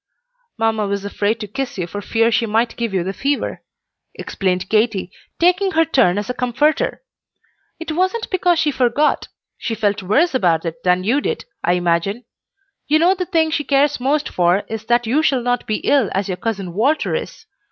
"Mamma was afraid to kiss you for fear she might give you the fever," explained Katy, taking her turn as a comforter. "It wasn't because she forgot. She felt worse about it than you did, I imagine. You know the thing she cares most for is that you shall not be ill as your cousin Walter is.